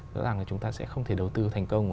rõ ràng là chúng ta sẽ không thể đầu tư thành công